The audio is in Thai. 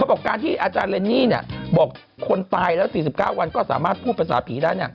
บอกการที่อาจารย์เรนนี่บอกคนตายแล้ว๔๙วันก็สามารถพูดภาษาผีได้